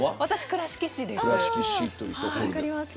倉敷市です。